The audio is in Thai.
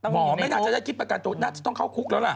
ไม่น่าจะได้คิดประกันตัวน่าจะต้องเข้าคุกแล้วล่ะ